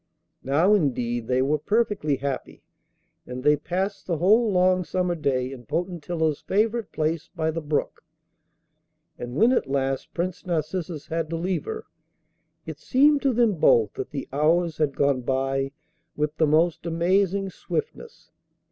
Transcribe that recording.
Now, indeed, they were perfectly happy, and they passed the whole long summer day in Potentilla's favourite place by the brook, and when at last Prince Narcissus had to leave her it seemed to them both that the hours had gone by with the most amazing swiftness.